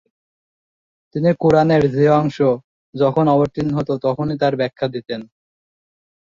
তিনি কুরআনের যে অংশ যখন অবতীর্ণ হতো তখনই তার ব্যাখ্যা দিতেন।